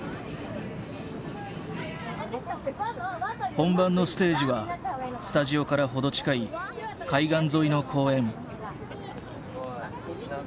本番のステージはスタジオから程近い海岸沿いの公園。